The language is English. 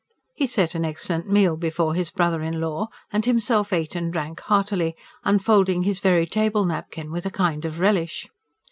He set an excellent meal before his brother in law, and himself ate and drank heartily, unfolding his very table napkin with a kind of relish.